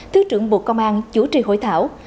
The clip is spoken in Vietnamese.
thứ trưởng bộ công an chủ trì hội thảo